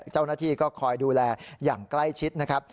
เจ้าหน้าที่ก็คอยดูแลอย่างใกล้ชิดนะครับ